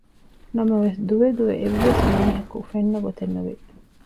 ނަމަވެސް ދުވެ ދުވެ އެއްވެސް މީހަކު ފެންނަގޮތެއް ނުވި